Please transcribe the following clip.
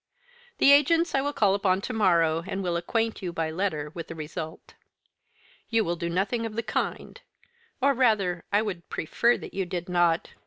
"The agents I will call upon to morrow, and will acquaint you, by letter, with the result." "You will do nothing of the kind or, rather, I would prefer that you did not.